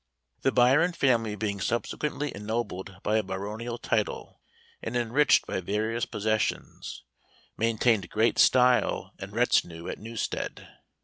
The Byron family being subsequently ennobled by a baronial title, and enriched by various possessions, maintained great style and retinue at Newstead.